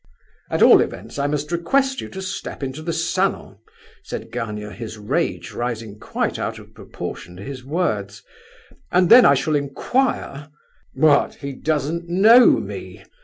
"At all events, I must request you to step into the salon," said Gania, his rage rising quite out of proportion to his words, "and then I shall inquire—" "What, he doesn't know me!"